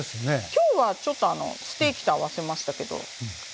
今日はちょっとステーキと合わせましたけど鶏肉とかね